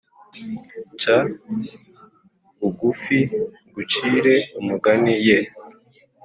ca bugufi ngucire umugane ye